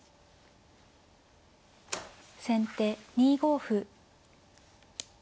先手２五歩。